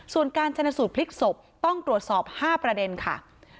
ส่วนการชนสูตรพลิกศพต้องตรวจสอบ๕ประเด็นค่ะ